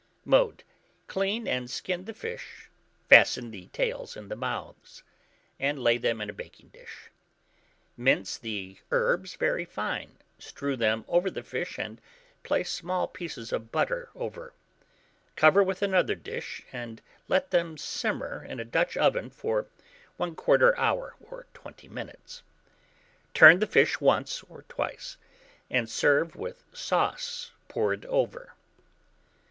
Mode. Clean and skin the fish, fasten the tails in the mouths; and lay them in a baking dish. Mince the herbs very fine, strew them over the fish, and place small pieces of butter over; cover with another dish, and let them simmer in a Dutch oven for 1/4 hour or 20 minutes. Turn the fish once or twice, and serve with the sauce poured over.